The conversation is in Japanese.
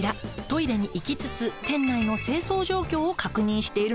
トイレに行きつつ店内の清掃状況を確認しているの。